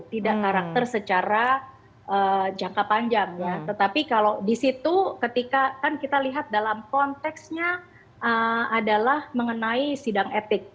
tidak karakter secara jangka panjang ya tetapi kalau di situ ketika kan kita lihat dalam konteksnya adalah mengenai sidang etik